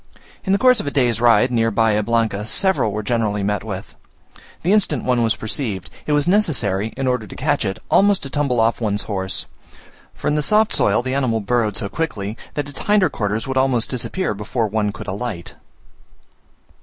In the course of a day's ride, near Bahia Blanca, several were generally met with. The instant one was perceived, it was necessary, in order to catch it, almost to tumble off one's horse; for in soft soil the animal burrowed so quickly, that its hinder quarters would almost disappear before one could alight.